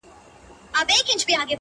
o د ژوند خوارۍ كي يك تنها پرېږدې،